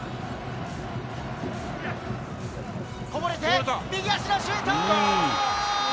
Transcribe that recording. こぼれて右足のシュート！